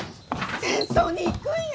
戦争に行くんよ！？